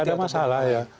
ya tidak ada masalah ya